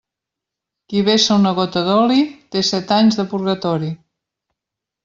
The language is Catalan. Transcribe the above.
Qui vessa una gota d'oli, té set anys de purgatori.